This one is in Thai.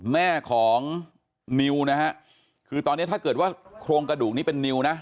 แม่ของนิวนะฮะคือตอนนี้ถ้าเกิดว่าโครงกระดูกนี้เป็นนิวนะ